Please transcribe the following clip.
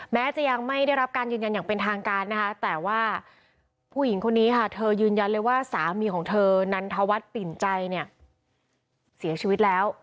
แม้จะยังไม่ได้รับการยืนยันอย่างเป็นทางการนะคะแต่ว่าผู้หญิงคนนี้ค่ะเธอยืนยันเลยว่าสามีของเธอนันทวัฒน์ปิ่นใจเนี่ยเสียชีวิตแล้ว